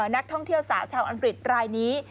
นักท่องเที่ยวสาวชาวอังกฤษรายนี้